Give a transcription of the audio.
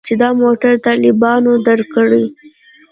چې دا موټر طالبانو درکړى.